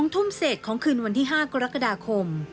ทุ่มเศษของคืนวันที่๕กรกฎาคม